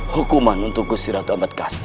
hukuman untuk gusti ratu ambedkasi